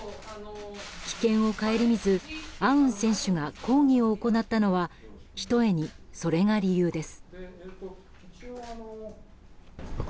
危険を顧みずアウン選手が抗議を行ったのはひとえにそれが理由です。